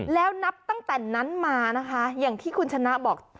แล้วนับตั้งแต่นั้นมานะคะอย่างที่คุณชนะบอก